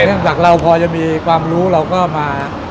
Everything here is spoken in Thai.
หลังจากเราพอจะมีความรู้เราก็มา